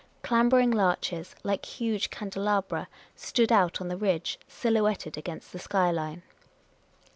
Clambering larches, like huge cande labra, stood out on the ridge, silhouetted against the skyline.